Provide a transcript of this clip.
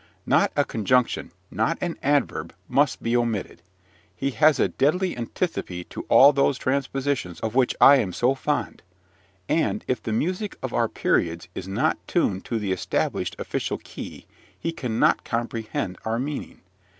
Not a conjunction, not an adverb, must be omitted: he has a deadly antipathy to all those transpositions of which I am so fond; and, if the music of our periods is not tuned to the established, official key, he cannot comprehend our meaning.